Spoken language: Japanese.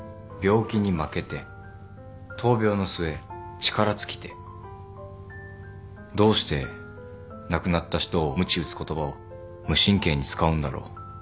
「病気に負けて」「闘病の末力尽きて」どうして亡くなった人をむち打つ言葉を無神経に使うんだろう。